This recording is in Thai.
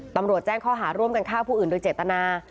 ตำรวจแจ้งข้อหาร่วมกันฆ่าผู้อื่นโดยเจตนา